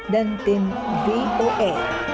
dan tim voa